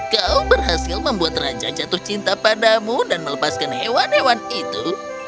kau berhasil membuat raja jatuh cinta padamu dan melepaskan hewan hewan itu